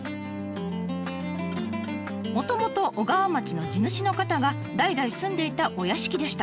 もともと小川町の地主の方が代々住んでいたお屋敷でした。